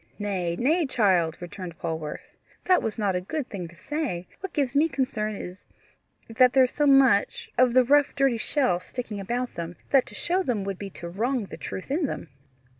"Nay, nay, child," returned Polwarth, "that was not a good thing to say. What gives me concern is, that there is so much of the rough dirty shell sticking about them, that to show them would be to wrong the truth in them."